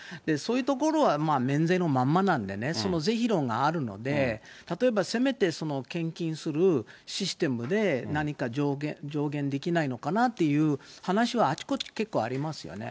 そういうところはもう免税のまんまなんでね、その是非論があるので、例えば、せめて献金するシステムで、何か上限できないのかなという話はあちこちで結構ありますよね。